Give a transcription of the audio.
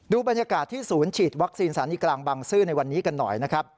บรรยากาศที่ศูนย์ฉีดวัคซีนสถานีกลางบังซื้อในวันนี้กันหน่อยนะครับ